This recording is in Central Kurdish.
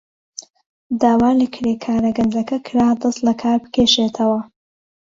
داوا لە کرێکارە گەنجەکە کرا دەست لەکار بکێشێتەوە.